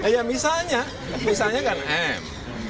ya misalnya misalnya kan m